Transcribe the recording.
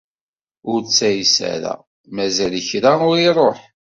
Ur ttayes ara, mazal kra ur iruḥ.